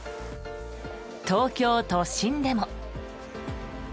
東京都心でも。